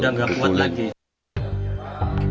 udah nggak kuat lagi